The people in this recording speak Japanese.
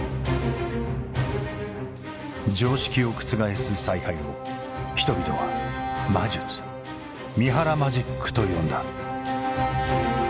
常識を覆す采配を人々は「魔術」「三原マジック」と呼んだ。